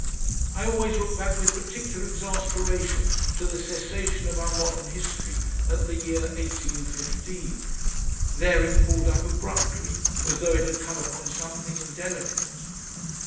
I always look back with particular exasperation to the cessation of our modern history at the year 1815. There it pulled up abruptly, as though it had come upon something indelicate....